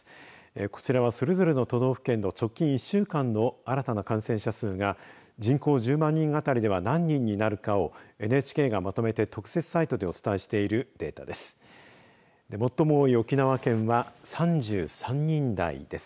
こちらは、それぞれの都道県の直近１週間の新たな感染者数が人口１０万にあたりでは何人になるかをＮＨＫがまとめて特設サイトでお伝えしているデータです。